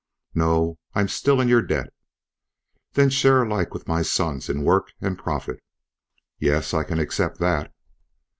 "No, I'm still in your debt." "Then share alike with my sons in work and profit?" "Yes, I can accept that."